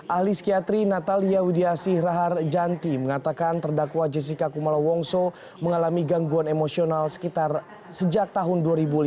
ahli psikiatri natalia widiasih rahar janti mengatakan terdakwa jessica kumala wongso mengalami gangguan emosional sekitar sejak tahun dua ribu lima belas